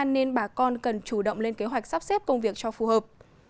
nên bà con cần chủ động lên kế hoạch sắp xếp công việc cho phù hợp